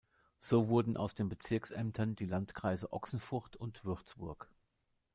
So wurden aus den Bezirksämtern die Landkreise Ochsenfurt und Würzburg.